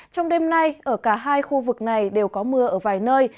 trong đêm nay ở cả hai khu vực này đều có mưa ở vài nơi